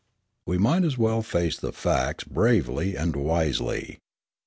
We might as well face the facts bravely and wisely.